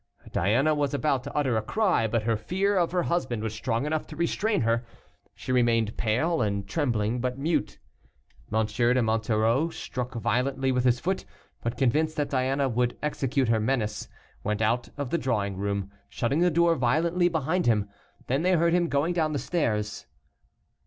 Diana was about to utter a cry, but her fear of her husband was strong enough to restrain her. She remained pale and trembling, but mute. M. de Monsoreau struck violently with his foot, but convinced that Diana would execute her menace, went out of the drawing room, shutting the door violently behind him. Then they heard him going down the stairs.